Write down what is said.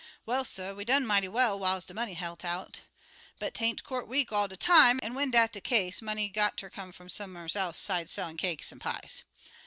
"Well, suh, we done mighty well whiles de money helt out, but 'tain't court week all de time, an' when dat de case, money got ter come fum some'rs else 'sides sellin' cakes an' pies.